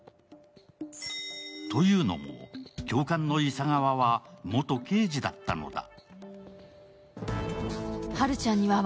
というのも、教官のイサガワは元刑事だったのだ。